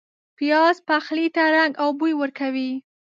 پیاز پخلي ته رنګ او بوی ورکوي